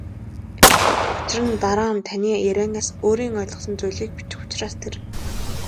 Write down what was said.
Учир нь дараа нь таны ярианаас өөрийн ойлгосон зүйлийг бичих учраас тэр.